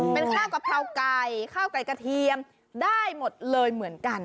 เป็นข้าวกะเพราไก่ข้าวไก่กระเทียมได้หมดเลยเหมือนกัน